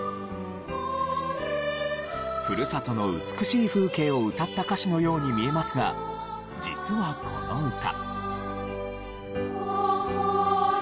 ふるさとの美しい風景を歌った歌詞のように見えますが実はこの歌。